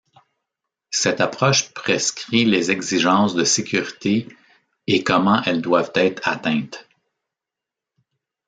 Cette approche prescrit les exigences de sécurité et comment elles doivent être atteintes.